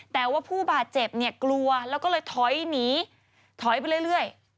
แต่ว่าผู้บาดเจ็บเนี่ยกลัวแล้วก็เลยถอยหนีถอยไปเรื่อย